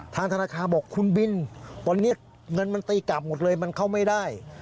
ทางธนาคารบอกคุณบินตอนนี้เงินมันตีกลับหมดเลยมันเข้าไม่ได้